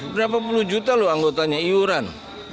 berapa puluh juta loh anggotanya iuran